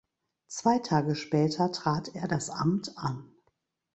Zwei Tage später trat er das Amt an.